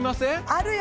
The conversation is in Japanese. あるよ！